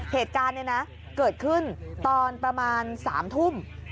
เหตุการณ์เกิดขึ้นตอนประมาณ๓ทุ่ม